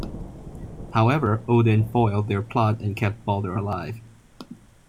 However, Odin foiled their plot and kept Balder alive.